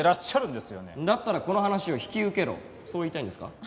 だったらこの話を引き受けろそう言いたいんですか？